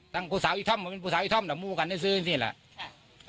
ตั้งผู้สาวอีกท่อมเพราะเป็นผู้สาวอีกท่อมแต่มูกันได้ซื้อนี่แหละค่ะ